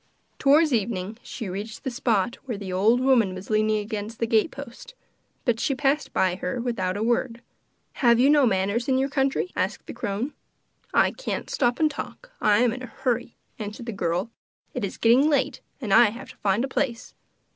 Towards evening she reached the spot where the old woman was leaning against the gate post, but she passed her by without a word. 'Have you no manners in your country?' asked the crone. 'I can't stop and talk; I am in a hurry,' answered the girl. 'It is getting late, and I have to find a place.